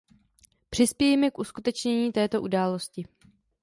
Přispějme k uskutečnění této události.